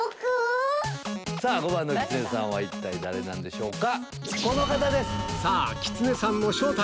５番のキツネさんは一体誰なんでしょうか？